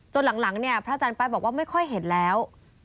จนหลังพระอาจารย์ป้ายบอกว่าไม่ค่อยเห็นแล้ว